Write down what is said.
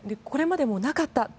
これまでもなかった。